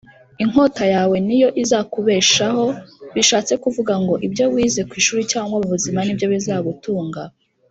Inkota yawe ni yo izakubeshaho bishatse kuvugango ibyo wize ku ishuri cyangwa mu muzima nibyo bizagutunga